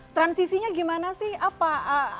transisinya gimana sih